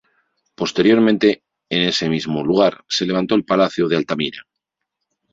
Posteriormente en ese mismo lugar se levantó el Palacio de Altamira.